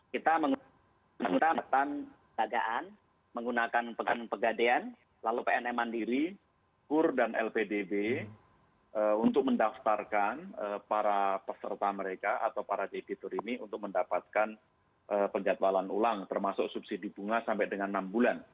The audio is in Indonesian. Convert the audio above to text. kita meminta petan dagaan menggunakan pegadean lalu pnm mandiri kur dan lpdb untuk mendaftarkan para peserta mereka atau para debitur ini untuk mendapatkan penjadwalan ulang termasuk subsidi bunga sampai dengan enam bulan